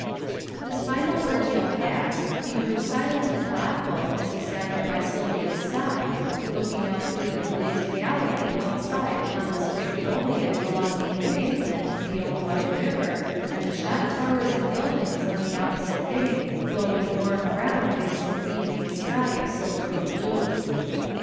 This final ordeal past, he grew silent and thoughtful, as he sat there by Sylvia's side, looking out through the glazed gallery outside upon the spring foliage along the Embankment, the opaline river, and the shot towers and buildings on the opposite bank glowing warm brown against an evening sky of silvery blue.